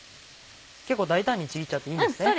結構大胆にちぎっちゃっていいんですね。